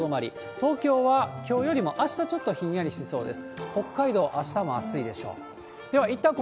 東京はきょうよりもあしたちょっとひんやりしそうです。